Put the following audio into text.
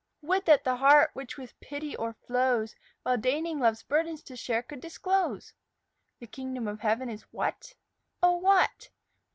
Would that the heart which with pity o'erflows, While deigning love's burdens to share, Could disclose! The kingdom of heaven is what? Oh, what?